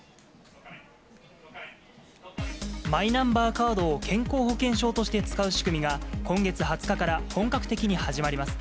マイナンバーカードを健康保険証として使う仕組みが、今月２０日から本格的に始まります。